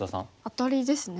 アタリですね。